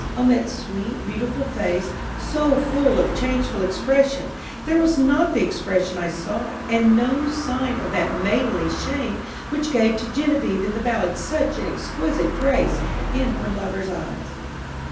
on that sweet, beautiful face, so full of changeful expression, there was not the expression I sought, and no sign of that maidenly shame which gave to Genevieve in the ballad such an exquisite grace in her lover's eyes.